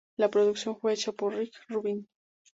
La producción fue hecha por Rick Rubin.